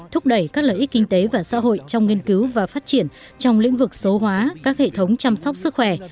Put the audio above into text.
thúc đẩy các lợi ích kinh tế và xã hội trong nghiên cứu và phát triển trong lĩnh vực số hóa các hệ thống chăm sóc sức khỏe